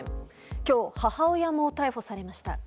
今日、母親も逮捕されました。